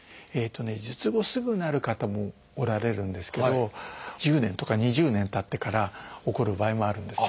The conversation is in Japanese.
術後すぐなる方もおられるんですけど１０年とか２０年たってから起こる場合もあるんですよ。